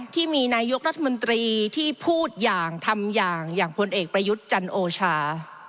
ที่มีนายกรัฐมนตรีที่พูดอย่างทำอย่างอย่างพลเอกประยุทธ์จันโอชา